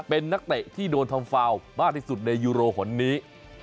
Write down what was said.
เป็นนักเตะที่โดนทำฟาวมากที่สุดในยูโรคนนี้